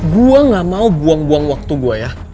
gue gak mau buang buang waktu gue ya